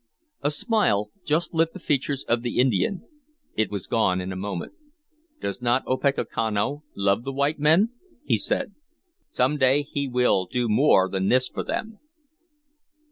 A smile just lit the features of the Indian. It was gone in a moment. "Does not Opechancanough love the white men?" he said. "Some day he will do more than this for them."